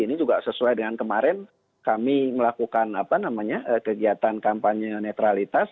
ini juga sesuai dengan kemarin kami melakukan kegiatan kampanye netralitas